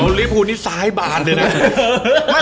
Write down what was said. เดี๋ยวลิฟฟูลนี้ทรายบานด้วยนะ